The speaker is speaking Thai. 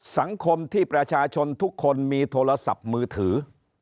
สังคมที่ประชาชนทุกคนมีโทรศัพท์มือถือ